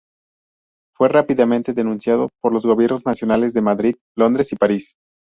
Fue rápidamente denunciado por los gobiernos nacionales de Madrid, Londres y París.